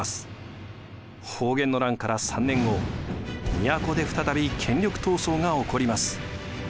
保元の乱から３年後都で再び権力闘争が起こります。